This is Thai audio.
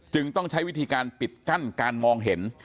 ต้องใช้วิธีการปิดกั้นการมองเห็น